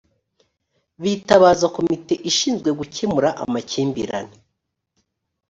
bitabaza komite ishinzwe gukemura amakimbirane